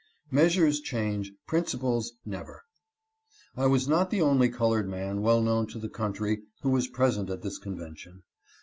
Measures change, principles never. I was not the only colored man well known to the coun try who was present at this convention.